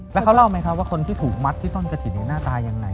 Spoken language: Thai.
แล้วเขาเล่าไหมครับว่าคนที่ถูกมัดที่ต้นกระถิ่นหน้าตายังไง